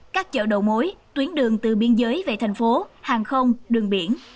các chợ đầu mối tuyến đường từ biên giới về thành phố hàng không đường biển